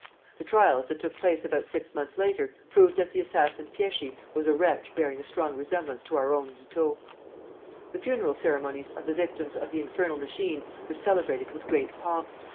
The trials, that took place about six months later, proved that the assassin Fieschi was a wretch bearing a strong resemblance to our own Guiteau. The funeral ceremonies of the victims of the infernal machine were celebrated with great pomp.